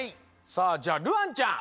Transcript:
さあじゃあるあんちゃん。